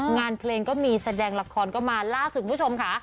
งานเพลงก็มีแสดงละครก็มาล่าสุดคุณผู้ชมค่ะ